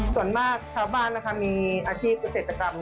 ส่วนมากชาวบ้านนะคะมีอาชีพประเศษจักรรม